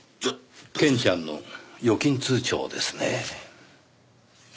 ケンちゃんの預金通帳ですねぇ。